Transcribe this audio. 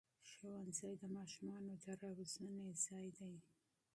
ښوونځی د ماشومانو د روزنې ځای دی